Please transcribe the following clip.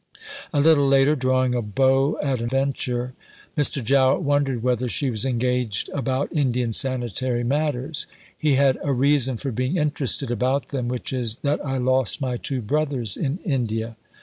A little later, drawing a bow at a venture, Mr. Jowett wondered whether she was engaged about Indian sanitary matters? He had "a reason for being interested about them which is that I lost my two brothers in India."